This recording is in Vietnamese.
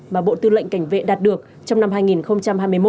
mà bộ tư lệnh cảnh vệ đạt được trong năm hai nghìn hai mươi một